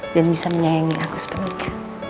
dan bisa menyayangi aku sepenuhnya